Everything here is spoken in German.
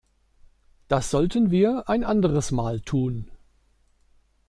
Das sollten wir ein anderes Mal tun.